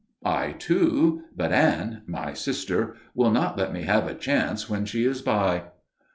"I, too. But Anne my sister will not let me have a chance when she is by."